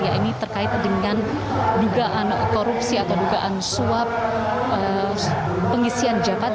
ya ini terkait dengan dugaan korupsi atau dugaan suap pengisian jabat